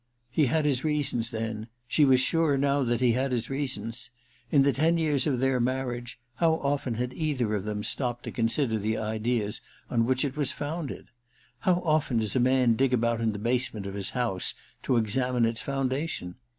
He had his reasons, then — she was sure now that he had his reasons ! In the ten years of their marriage, how often had either of them stopped to con sider the ideas on which it was founded ? How often does a man dig about the basement of his house to examine its foundation